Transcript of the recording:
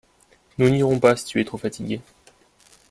Nous n’irons pas si tu es trop fatigué.